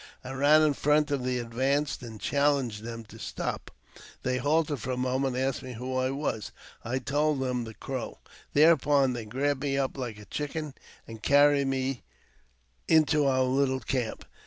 I ran in front of the advance, and challenged them to stop. They halted for a moment, and asked me who I was. I told them the Crow, Thereupon they grabbed me up like a chicken, and carried me into our little camp.